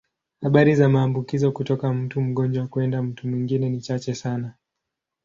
Habari za maambukizo kutoka mtu mgonjwa kwenda mtu mwingine ni chache sana.